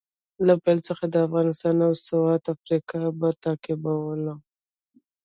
له پیل څخه د افغانستان او ساوت افریقا لوبه تعقیبوم